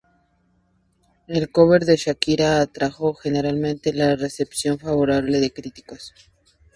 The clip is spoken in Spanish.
El cover de Shakira atrajo generalmente la recepción favorable de críticos.